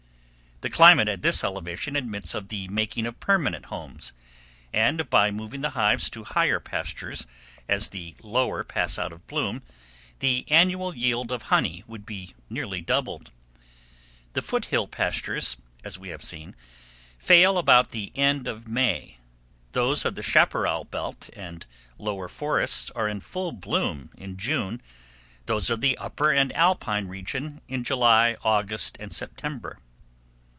The climate at this elevation admits of the making of permanent homes, and by moving the hives to higher pastures as the lower pass out of bloom, the annual yield of honey would be nearly doubled. The foot hill pastures, as we have seen, fail about the end of May, those of the chaparral belt and lower forests are in full bloom in June, those of the upper and alpine region in July, August, and September.